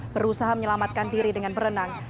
berusaha menyelamatkan diri dengan berenang